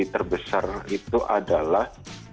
terbesar itu adalah